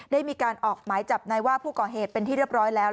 ได้มีการออกหมายจับนายว่าผู้ก่อเหตุเป็นที่เรียบร้อยแล้ว